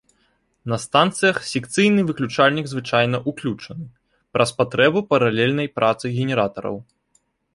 На станцыях секцыйны выключальнік звычайна ўключаны, праз патрэбу паралельнай працы генератараў.